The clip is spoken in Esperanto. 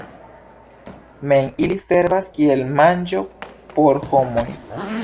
Mem ili servas kiel manĝo por homoj.